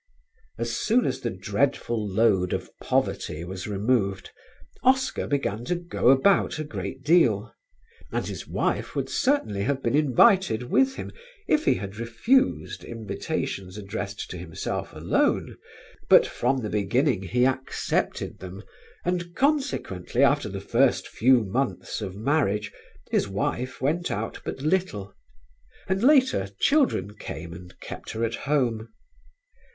As soon as the dreadful load of poverty was removed, Oscar began to go about a great deal, and his wife would certainly have been invited with him if he had refused invitations addressed to himself alone; but from the beginning he accepted them and consequently after the first few months of marriage his wife went out but little, and later children came and kept her at home.